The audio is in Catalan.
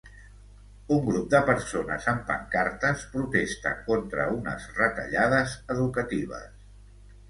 Un grup de persones amb pancartes protesta contra unes retallades educatives.